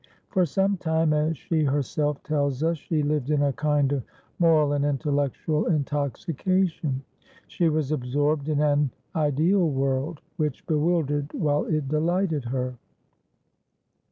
For some time, as she herself tells us, she lived in a kind of moral and intellectual intoxication; she was absorbed in an ideal world, which bewildered while it delighted her.